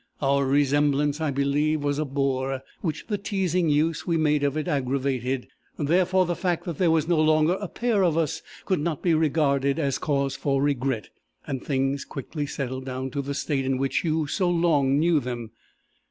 Our resemblance, I believe, was a bore, which the teasing use we made of it aggravated; therefore the fact that there was no longer a pair of us, could not be regarded as cause for regret, and things quickly settled down to the state in which you so long knew them.